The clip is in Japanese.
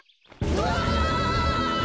うわ！